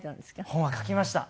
本は書きました。